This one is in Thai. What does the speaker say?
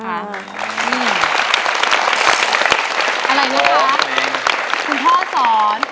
ผู้ชมอาคือคุณพ่อสอน